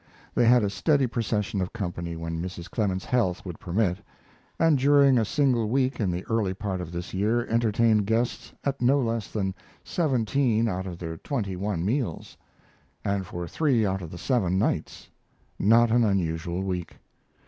They had a steady procession of company when Mrs. Clemens's health would permit, and during a single week in the early part of this year entertained guests at no less than seventeen out of their twenty one meals, and for three out of the seven nights not an unusual week.